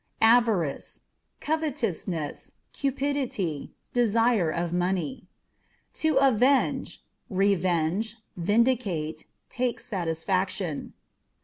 Avarice â€" covetousness, cupidity; desire of money. To Avenge â€" revenge, vindicate, take satisfaction.